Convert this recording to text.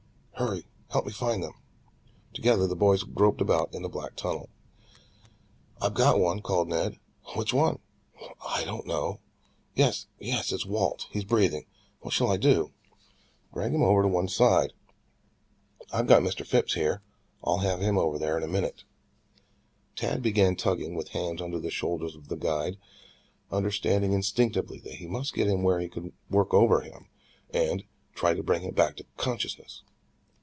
"Hurry, help me find them." Together the boys groped about in the black tunnel. "I've got one," called Ned. "Which one?" "I don't know. Yes, yes, it's Walt. He's breathing. What shall I do?" "Drag him over to one side. I've got Mr. Phipps here. I'll have him over there in a minute." Tad began tugging, with hands under the shoulders of the guide, understanding instinctively that he must get him where they could work over him and try to bring him back to consciousness.